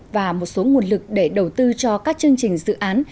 và một số nguồn lực để đầu tư cho các chương trình dự án